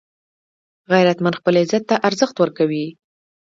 غیرتمند خپل عزت ته ارزښت ورکوي